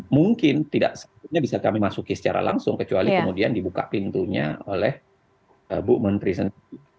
mungkin tidak sebetulnya bisa kami masuki secara langsung kecuali kemudian dibuka pintunya oleh bu menteri sendiri